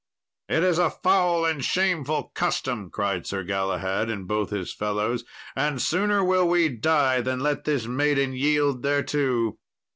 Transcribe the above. "It is a foul and shameful custom," cried Sir Galahad and both his fellows, "and sooner will we die than let this maiden yield thereto."